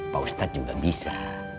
pak ustadz juga bisa